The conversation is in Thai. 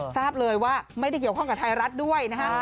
ทราบเลยว่าไม่ได้เกี่ยวข้องกับไทยรัฐด้วยนะฮะ